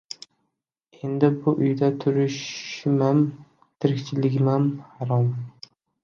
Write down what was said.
Endi bu uyda turishimam, tirikchiligimam harom